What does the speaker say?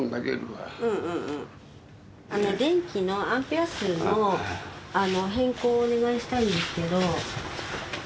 電気のアンペア数の変更をお願いしたいんですけど。